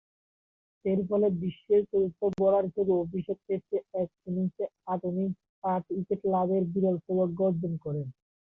এরফলে বিশ্বের চতুর্থ বোলার হিসেবে অভিষেক টেস্টের এক ইনিংসে আট উইকেট লাভের বিরল সৌভাগ্য অর্জন করেন।